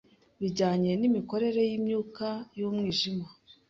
bijyanye n’imikorere y’imyuka y’umwijima